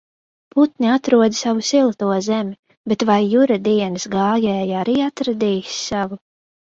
Putni atrod savu silto zemi, bet vai Jura dienas gājēji arī atradīs savu?